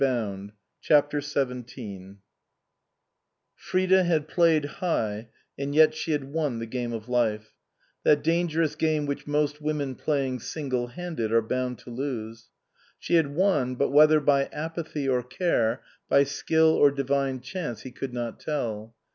188 CHAPTER XVII FRIDA had played high and yet she had won the game of life ; that dangerous game which most women playing single handed are bound to lose. She had won, but whether by apathy or care, by skill or divine chance he could not tell.